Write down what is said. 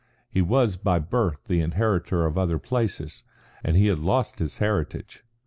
He was by birth the inheritor of the other places, and he had lost his heritage.